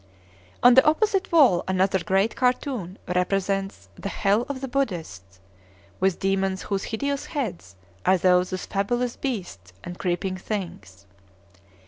On the opposite wall another great cartoon represents the Hell of the Buddhists, with demons whose hideous heads are those of fabulous beasts and creeping things.